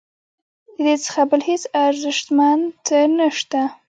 ددې څخه بل هیڅ ارزښتمن څه نشته.